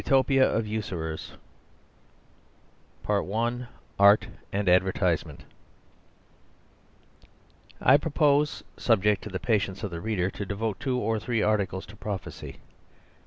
UTOPIA OF USURERS I. Art and Advertisement I propose, subject to the patience of the reader, to devote two or three articles to prophecy.